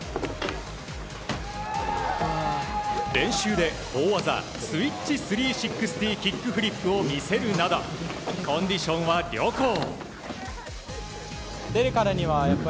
練習で大技スイッチ３６０キックフリップを見せるなどコンディションは良好。